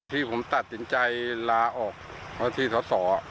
ที่ผมตัดสินใจลาออกที่ทศ